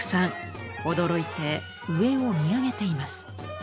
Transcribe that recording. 驚いて上を見上げています。